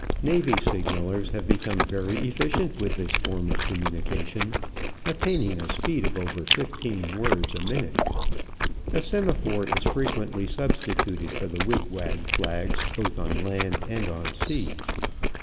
Navy signalers have become very efficient with this form of communication, attaining a speed of over fifteen words a minute. A semaphore is frequently substituted for the wig wag flags both on land and on sea.